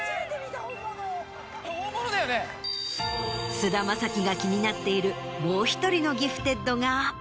菅田将暉が気になっているもう１人のギフテッドが。